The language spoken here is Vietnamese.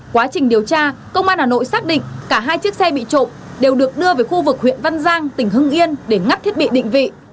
quá trình điều tra công an hà nội xác định cả hai chiếc xe bị trộm đều được đưa về khu vực huyện văn giang tỉnh hưng yên để ngắt thiết bị định vị